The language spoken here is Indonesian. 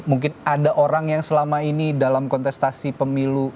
mungkin ada orang yang selama ini dalam kontestasi pemilu